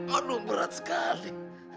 aduh berat sekali